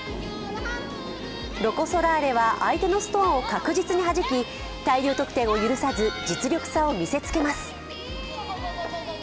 ロコ・ソラーレは相手のストーンを確実に弾き大量得点を許さず、実力差を見せつけます。